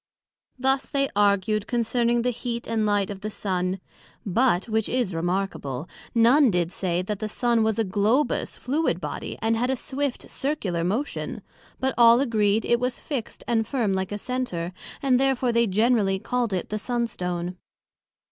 Thus they argued concerning the heat and light of the Sun; but, which is remarkable, none did say, that the Sun was a Globous fluid body, and had a swift Circular motion; but all agreed, It was fixt and firm like a Center, and therefore they generally called it the Sun stone.